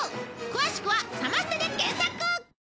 詳しくは「サマステ」で検索！